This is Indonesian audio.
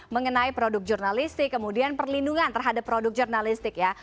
mengenai produk jurnalistik kemudian perlindungan terhadap produk jurnalistik ya